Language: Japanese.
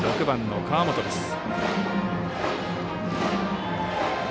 ６番の川元です。